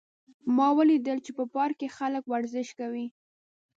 ما ولیدل چې په پارک کې خلک ورزش کوي